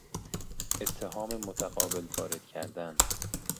اتهام متقابل وارد کردن